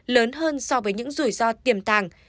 lớn hơn so với những rủi ro tiềm tàng